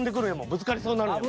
ぶつかりそうになるんやもん。